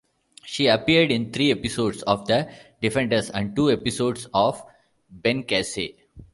She appeared in three episodes of "The Defenders" and two episodes of "Ben Casey".